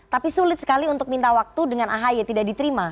tapi sulit sekali untuk minta waktu dengan ahy tidak diterima